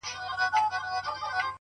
پاچا که د جلاد پر وړاندي! داسي خاموش وو!